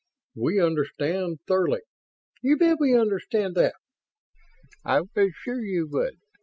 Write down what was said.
"We understand thoroughly." "You bet we understand that!" "I was sure you would.